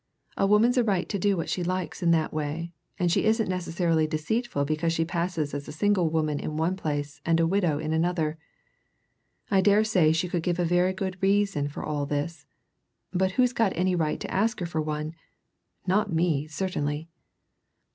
"A woman's a right to do what she likes in that way, and she isn't necessarily deceitful because she passes as a single woman in one place and a widow in another. I daresay she could give a very good reason for all this but who's got any right to ask her for one? Not me, certainly!"